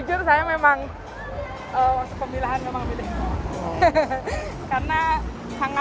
terima kasih saya juga